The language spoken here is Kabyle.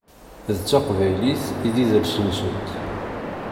D taqbaylit i d idles-nsent.